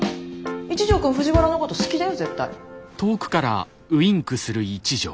一条くん藤原のこと好きだよ絶対。